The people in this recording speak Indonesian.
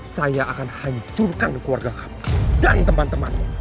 saya akan hancurkan keluarga kamu dan teman temannya